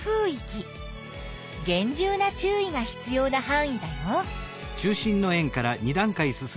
げん重な注意が必要なはん囲だよ。